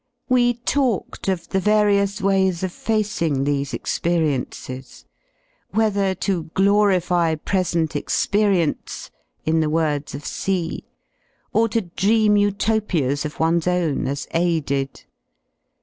We talked of the various ways of facing these experi ences, whether to "glorify present experience" in the words of C , or to dream Utopias of one's own as A did.